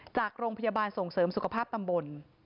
จากโรงพยาบาลส่งเสริมสุขภาพตำบล